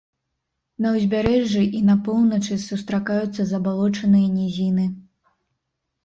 На ўзбярэжжы і на поўначы сустракаюцца забалочаныя нізіны.